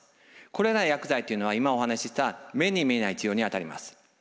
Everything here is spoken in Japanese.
これらの薬剤というのは今お話しした目に見えない治療にあたります。